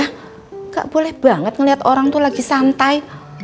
tidak boleh banget ngeliat orang tuh lagi santai